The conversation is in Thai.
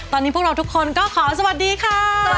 ตอนนี้พวกเราทุกคนก็ขอสวัสดีค่ะ